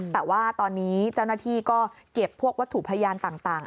แต่ว่าตอนนี้เจ้าหน้าที่ก็เก็บพวกวัตถุพยานต่าง